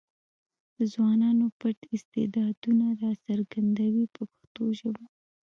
د ځوانانو پټ استعدادونه راڅرګندوي په پښتو ژبه.